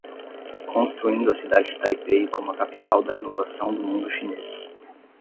Construindo a cidade de Taipei como a capital da inovação do mundo chinês